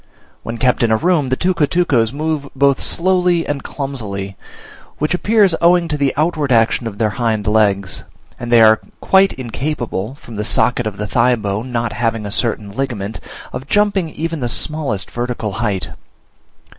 When kept in a room, the tucutucos move both slowly and clumsily, which appears owing to the outward action of their hind legs; and they are quite incapable, from the socket of the thigh bone not having a certain ligament, of jumping even the smallest vertical height.